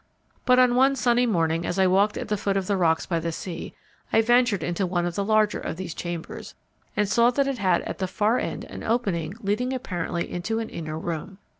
But on one sunny morning, as I walked at the foot of the rocks by the sea, I ventured into one of the larger of these chambers, and saw that it had at the far end an opening leading apparently to an inner room.